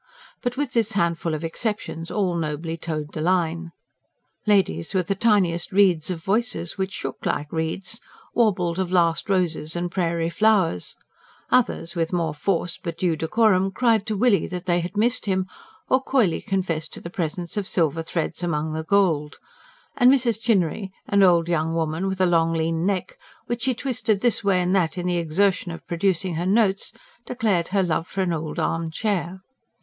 But with this handful of exceptions all nobly toed the line. Ladies with the tiniest reeds of voices, which shook like reeds, warbled of Last Roses and Prairie Flowers; others, with more force but due decorum, cried to Willie that they had Missed Him, or coyly confessed to the presence of Silver Threads Among the Gold; and Mrs. Chinnery, an old young woman with a long, lean neck, which she twisted this way and that in the exertion of producing her notes, declared her love for an Old Armchair.